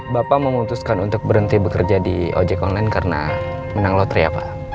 bapak memutuskan untuk berhenti bekerja di ojek online karena menang lotri ya pak